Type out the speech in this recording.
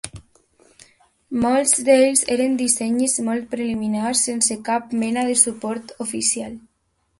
Molts d'ells eren dissenys molt preliminars sense cap mena de suport oficial.